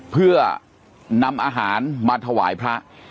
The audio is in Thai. เพื่อนำอาหารมาถวายพระ